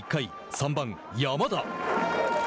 ３番、山田。